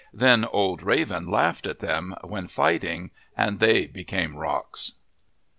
Then Old Raven laughed at them when fighting and they became rocks.